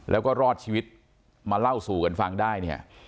แล้วก็รอดชีวิตมาเล่าสู่กันฟังได้เนี่ย